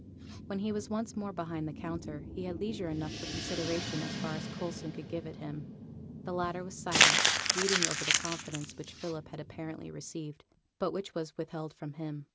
When he was once more behind the counter, he had leisure enough for consideration as far as Coulson could give it him. The latter was silent, brooding over the confidence which Philip had apparently received, but which was withheld from him.